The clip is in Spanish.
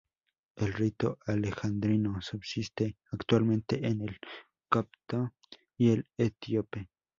El rito alejandrino subsiste actualmente en el copto y el etíope.